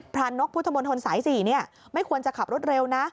นกพุทธมนตรสาย๔ไม่ควรจะขับรถเร็วนะ